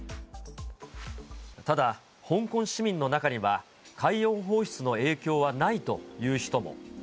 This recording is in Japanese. ただ、香港市民の中には、海洋放出の影響はないという人も。